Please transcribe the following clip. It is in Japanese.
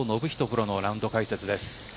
プロのラウンド解説です。